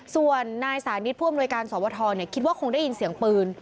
ส่วนนายสานิทผู้อำนวยการสวทรคิดว่าคงได้ยินเสียงปืน